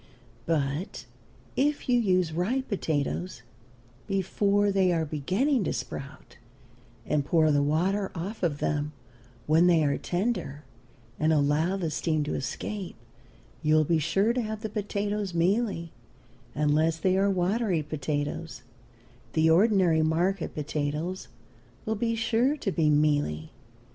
But if you use ripe potatoes, before they are beginning to sprout, and pour the water off of them when they are tender and allow the steam to escape, you will be sure to have the potatoes mealy, unless they are watery potatoes; the ordinary market potatoes will be sure to be mealy.